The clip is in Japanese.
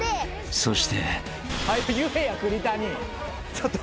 ［そして］